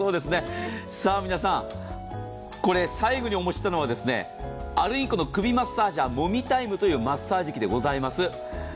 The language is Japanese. さあ皆さん、これ、最後にお持ちしたのはアルインコの首マッサージャーもみたいむというマーサージャーでございます。